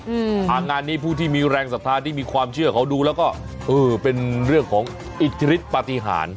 อ่างานนี้ผู้ที่มีแรงศรัทธาที่มีความเชื่อเขาดูแล้วก็เออเป็นเรื่องของอิทธิฤทธิปฏิหาร